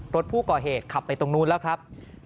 รถผู้ก่อเหตุขับไปตรงนู้นแล้วครับ